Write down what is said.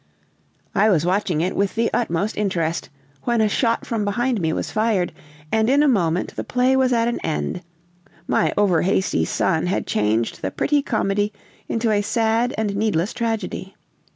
I was watching it with the utmost interest, when a shot from behind me was fired, and in a moment the play was at an end; my over hasty son had changed the pretty comedy into a sad and needless tragedy.